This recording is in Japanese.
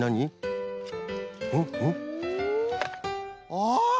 ああ！